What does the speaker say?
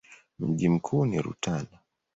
Mji mkuu ni Rutana.